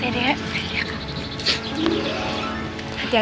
berangkat ya nih ya ayo